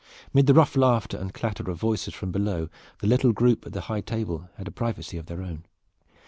Mid the rough laughter and clatter of voices from below the little group at the high table had a privacy of their own.